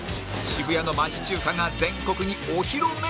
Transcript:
渋谷の町中華が全国にお披露目